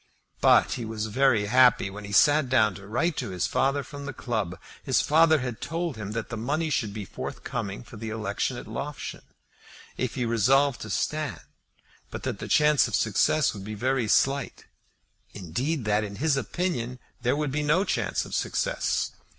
But he was very happy when he sat down to write to his father from the club. His father had told him that the money should be forthcoming for the election at Loughshane, if he resolved to stand, but that the chance of success would be very slight, indeed that, in his opinion, there would be no chance of success.